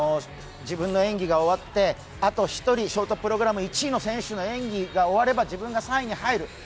自分の演技が終わって、あと１人ショートプログラム１位の選手の人の演技が終われば自分が３位に入る。